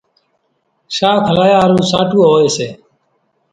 شاک هلايا ۿارُو ساٽُوئو هوئيَ سي۔